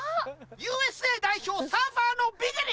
ＵＳＡ代表サーファーのビキニ！